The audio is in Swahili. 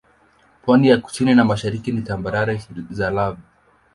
Pwani za kusini na mashariki ni tambarare za lava.